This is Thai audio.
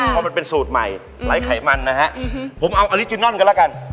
ค่ะพอมันเป็นสูตรใหม่หลายไขมันนะฮะอืมผมเอาอาริจินัลกันแล้วกัน